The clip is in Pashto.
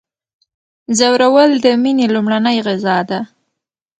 ځورول د میني لومړنۍ غذا ده.